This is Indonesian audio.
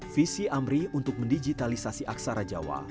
visi amri untuk mendigitalisasi aksara jawa